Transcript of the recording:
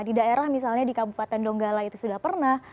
di daerah misalnya di kabupaten donggala itu sudah pernah